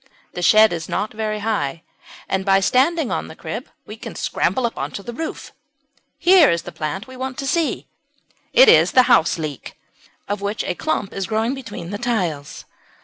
The shed is not very high, and by standing on the crib we can scramble on to the roof. Here is the plant we want to see. It is the Houseleek, of which a clump is growing between the tiles.